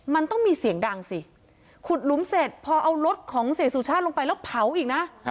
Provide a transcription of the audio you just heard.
มันต้องมีเสียงดังสิขุดหลุมเสร็จพอเอารถของเสียสุชาติลงไปแล้วเผาอีกนะ